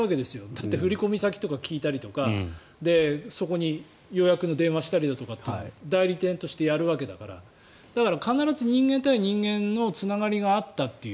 だって振込先とか聞いたりとかそこに予約の電話をしたりだとかっていうのを代理店としてやるわけだからだから必ず人間対人間のつながりがあったっていう。